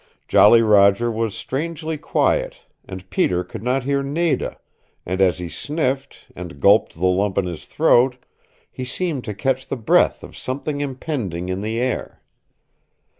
Jolly Roger was strangely quiet, and Peter could not hear Nada, and as he sniffed, and gulped the lump in his throat, he seemed to catch the breath of something impending in the air.